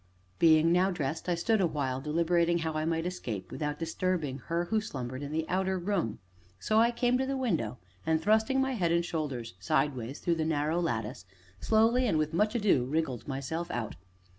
Being now dressed, I stood awhile, deliberating how I might escape without disturbing her who slumbered in the outer room. So I came to the window, and thrusting my head and shoulders sidewise through the narrow lattice, slowly, and with much ado, wriggled myself out.